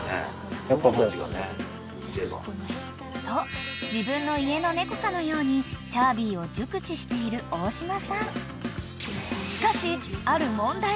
［と自分の家の猫かのようにちゃーびーを熟知している大島さん］